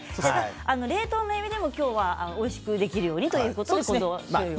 冷凍のえびでも今日はおいしくできるようにということでこの処理を。